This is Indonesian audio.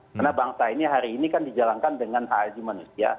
karena bangsa ini hari ini kan dijalankan dengan hlg manusia